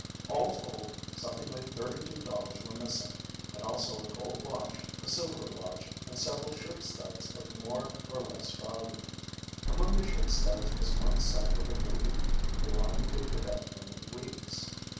All told, something like thirty two dollars were missing, and also a gold watch, a silver watch, and several shirt studs of more or less value. Among the shirt studs was one set with a ruby belonging to a cadet named Weeks.